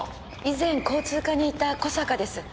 以前交通課にいた小坂です。